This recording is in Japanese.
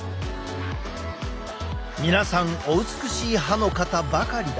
皆さんお美しい歯の方ばかりだ。